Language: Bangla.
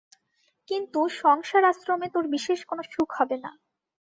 কিন্তু সংসারাশ্রমে তোর বিশেষ কোন সুখ হবে না।